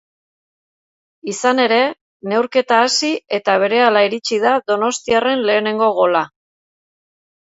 Izan ere, neurketa hasi eta berehala iritsi da donostiarren lehenengo gola.